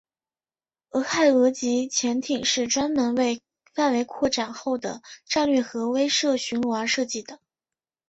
俄亥俄级潜艇是专门为范围扩展后的战略核威慑巡逻而设计的。